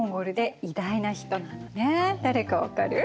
誰か分かる？